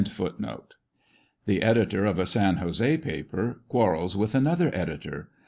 The editor of a San Jose paper quarrels with another editor.